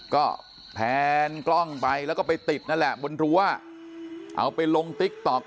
ก็แพนกล้องไปแล้วก็ไปติดนั่นแหละบนรั้วเอาไปลงติ๊กต๊อก